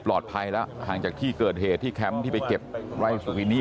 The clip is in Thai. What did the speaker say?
ปลอดภัยแล้วห่างจากที่เกิดเหตุที่แคมป์ที่ไปเก็บไร่ซูกินี่